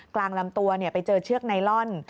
กลางลำตัวไปเจอเชือกไนลอน